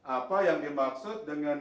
apa yang dimaksud dengan